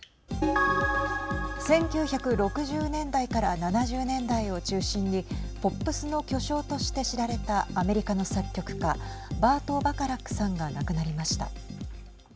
１９６０年代から７０年代を中心にポップスの巨匠として知られたアメリカの作曲家バート・バカラックさんが亡くなりました。